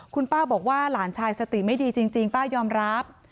คุณป้าบอกว่าหลานชายสติไม่ดีจริงป้ายอมรับ